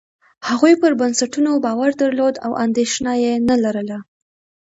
هغوی پر بنسټونو باور درلود او اندېښنه یې نه لرله.